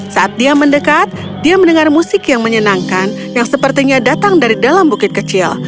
saat dia mendekat dia mendengar musik yang menyenangkan yang sepertinya datang dari dalam bukit kecil